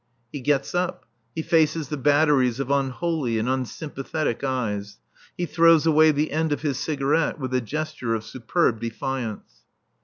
He gets up. He faces the batteries of unholy and unsympathetic eyes. He throws away the end of his cigarette with a gesture of superb defiance.